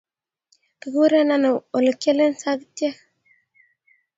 Kigureen ne olegiale sagitek?